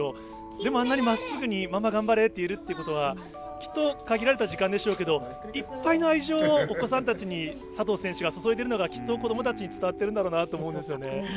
でもあんなに真っすぐにママ頑張れって言えることはきっと限られた時間でしょうけどいっぱいの愛情をお子さんたちに佐藤選手が注いでいるのがきっと子供たちに伝わってるだろうって思うんですよ。